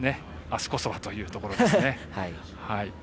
あすこそはというところですね。